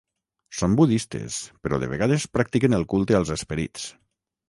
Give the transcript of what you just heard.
Són budistes però de vegades practiquen el culte als esperits.